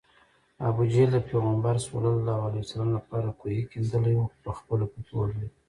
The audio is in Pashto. ابوجهل د پیغمبر ص لپاره کوهی کیندلی و خو پخپله پکې ولوېد